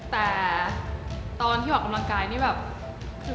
แต่ตอนที่ออกกำลังกายนี่แบบ